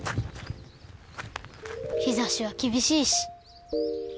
日ざしは厳しいし。